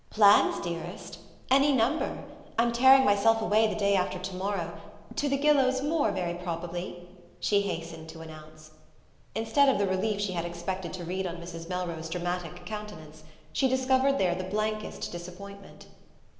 "Plans, dearest? Any number... I'm tearing myself away the day after to morrow... to the Gillows' moor, very probably," she hastened to announce. Instead of the relief she had expected to read on Mrs. Melrose's dramatic countenance she discovered there the blankest disappointment.